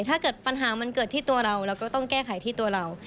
ถ้าเกิดปัญหามันเกิดที่ตัวเราเราก็ต้องแก้ไขที่ตัวเรา